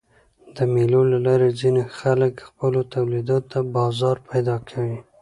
د مېلو له لاري ځيني خلک خپلو تولیداتو ته بازار پیدا کوي.